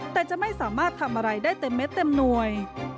แต่จะไม่สามารถทำอะไรได้เต็มเม็ดเต็มหน่วย